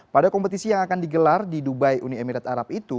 pada kompetisi yang akan digelar di dubai uni emirat arab itu